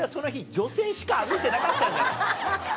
女性しか歩いてなかったんじゃない？